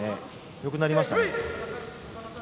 よくなりましたね。